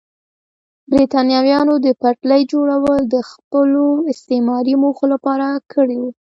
برېټانویانو د پټلۍ جوړول د خپلو استعماري موخو لپاره کړي وو.